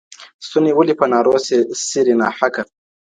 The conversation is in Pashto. ستونی ولي په نارو څیرې ناحقه.